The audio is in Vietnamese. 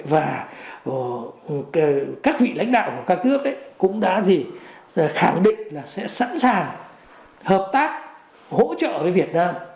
và các vị lãnh đạo của các nước cũng đã khẳng định là sẽ sẵn sàng hợp tác hỗ trợ với việt nam